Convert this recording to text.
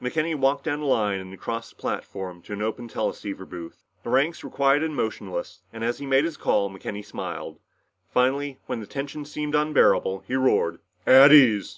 McKenny walked down the line and across the platform to an open teleceiver booth. The ranks were quiet and motionless, and as he made his call, McKenny smiled. Finally, when the tension seemed unbearable, he roared, "At ease!"